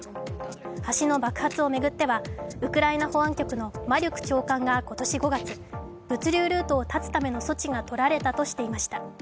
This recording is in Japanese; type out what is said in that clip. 橋の爆発を巡ってはウクライナ保安局のマリュク長官が今年５月、物流ルートを絶つための措置が執られたとしていました。